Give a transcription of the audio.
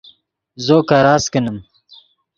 زو کراست کینیم